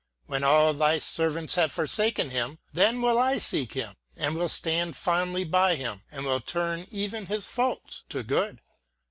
When all Thy servants have forsaken him, then will I seek him, and will stand fondly by him, and will turn even his faults to good.